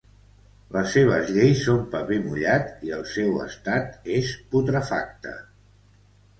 Les seves lleis són paper mullat i el seu estat és putrefacte!